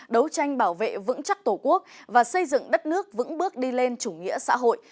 đấu tranh bảo vệ vững chắc tổ quốc và xây dựng đất nước vững bước đi lên chủ nghĩa xã hội